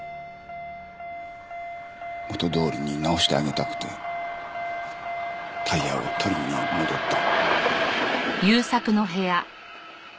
元通りに直してあげたくてタイヤを取りに戻った。